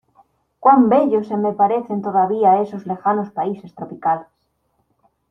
¡ cuán bellos se me aparecen todavía esos lejanos países tropicales!